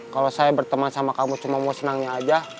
kalau saya berteman sama kamu cuma mau senangnya aja